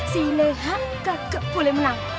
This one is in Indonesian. si leha gak boleh menang